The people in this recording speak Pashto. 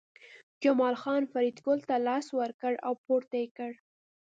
جمال خان فریدګل ته لاس ورکړ او پورته یې کړ